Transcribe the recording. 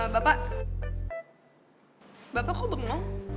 bapak bapak kok bengong